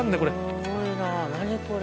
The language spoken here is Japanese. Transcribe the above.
すごいな何これ。